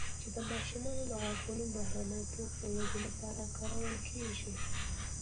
چې د ماشومانو د غاښونو بهرني پوښ د ودې لپاره کارول کېږي